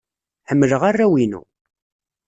Ḥemmleɣ arraw-inu.